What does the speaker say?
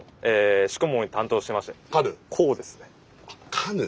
カヌー？